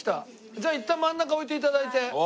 じゃあいったん真ん中置いて頂いて。